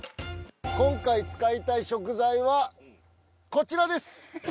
今回使いたい食材はこちらです！